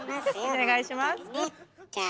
お願いしますよ